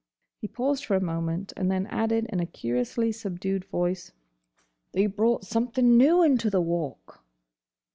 He paused for a moment, and then added in a curiously subdued voice: "They brought something new into the Walk."